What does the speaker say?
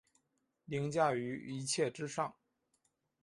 凌驾於一切之上